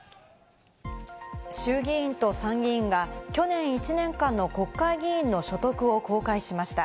衆議院と参議院が去年１年間の国会議員の所得を公開しました。